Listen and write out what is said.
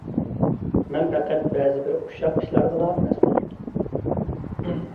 مەن پەقەت بەزىبىر ئۇششاق ئىشلارغىلا مەسئۇل.